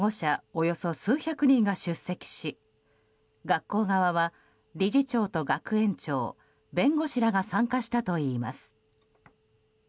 およそ数百人が出席し学校側は、理事長と学園長弁護士らが参加したといいます。